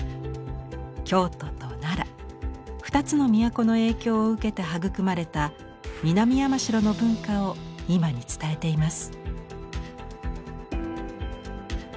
京都と奈良２つの都の影響を受けて育まれた南山城の文化を今に伝えています。